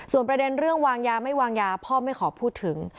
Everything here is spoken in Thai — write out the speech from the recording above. ประเด็นเรื่องวางยาไม่วางยาพ่อไม่ขอพูดถึง